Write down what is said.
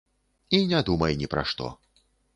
І не думай ні пра што.